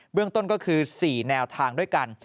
เรื่องต้นก็คือ๔แนวทางด้วยกัน